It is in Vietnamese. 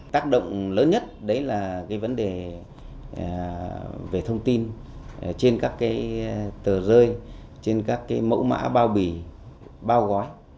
tác động lớn nhất đấy là cái vấn đề về thông tin trên các cái tờ rơi trên các cái mẫu mã bao bì bao gói